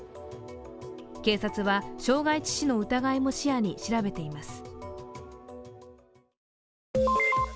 警察は、傷害致死の疑いも視野に調べています。